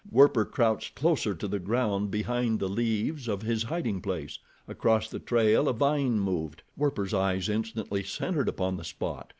Werper crouched closer to the ground behind the leaves of his hiding place. Across the trail a vine moved. Werper's eyes instantly centered upon the spot.